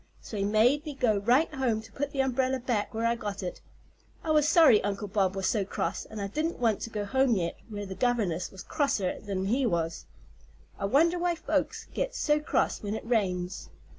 So he made me go right home to put the umbrella back where I got it. I was sorry Uncle Bob was so cross, and I didn't want to go home yet, where the governess was crosser 'n he was. I wonder why folks get cross when it rains?